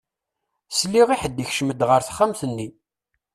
Sliɣ i ḥed ikcem-d ɣer texxamt-nni.